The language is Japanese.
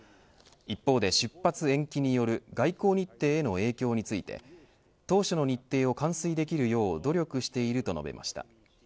一方で、出発延期による外交日程への影響について当初の日程を完遂できるよう努力していると述べました。